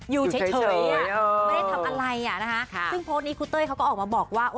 อยู่เฉยอ่ะไม่ได้ทำอะไรอ่ะนะคะซึ่งโพสต์นี้ครูเต้ยเขาก็ออกมาบอกว่า